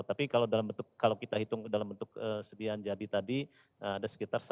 tapi kalau kita hitung dalam bentuk sedian jadi tadi ada sekitar satu ratus tujuh puluh lima